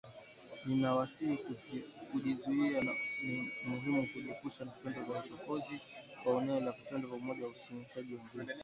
“Ninawasihi kujizuia na ni muhimu kujiepusha na vitendo vya uchokozi, kwa maneno na vitendo, pamoja na uhamasishaji wa nguvu.”